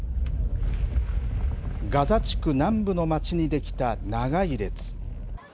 ガザ地区南部の街に出来た長い列。